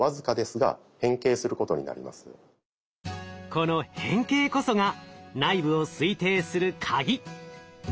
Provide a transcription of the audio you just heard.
この変形こそが内部を推定する鍵。